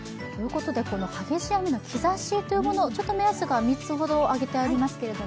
激しい雨の兆しというものを目安が３つほど挙げてありますが。